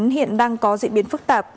hiện đang có diễn biến phức tạp